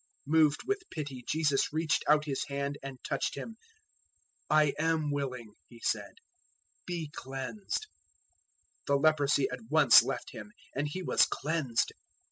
001:041 Moved with pity Jesus reached out His hand and touched him. "I am willing," He said; "be cleansed." 001:042 The leprosy at once left him, and he was cleansed.